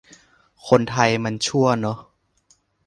คนไทยมันชั่วเนอะ